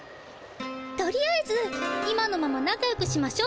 とりあえず今のままなかよくしましょ。